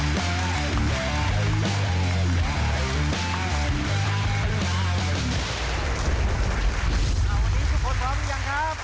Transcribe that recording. วันนี้ทุกคนพร้อมหรือยังครับ